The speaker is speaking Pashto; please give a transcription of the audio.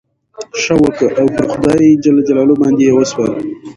ښه وکه! او پر خدای جل جلاله باندي ئې وسپاره.